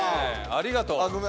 ありがとう。